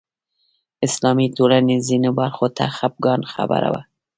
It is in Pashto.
اسلامي ټولنې ځینو برخو ته خپګان خبره وه